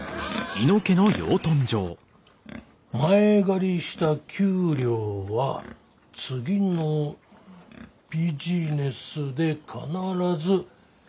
「前借りした給料は次のビジネスで必ず」。